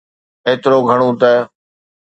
ايترو گھڻو نه.